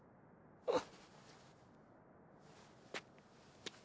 あっ！